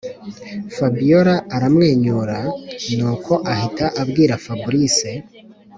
fabiora aramwenyura nuko ahita abwira fabric